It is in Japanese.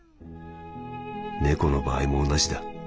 猫の場合も同じだ。